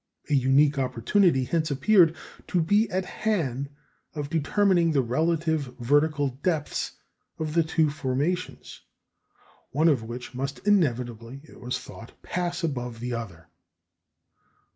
A unique opportunity hence appeared to be at hand of determining the relative vertical depths of the two formations, one of which must inevitably, it was thought, pass above the other.